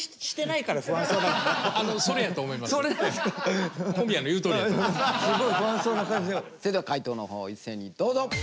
それでは解答の方を一斉にどうぞ！